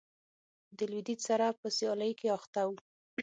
د لوېدیځ سره په سیالۍ کې اخته و.